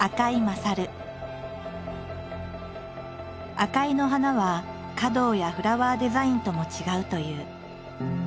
赤井の花は華道やフラワーデザインとも違うという。